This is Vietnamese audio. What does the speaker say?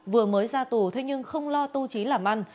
vừa mới ra tù thế nhưng không lo tu diễn